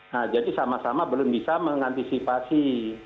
nah jadi sama sama belum bisa mengantisipasi